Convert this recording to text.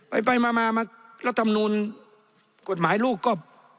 ไปไปมามามาแล้วทำนูลกฎหมายลูกก็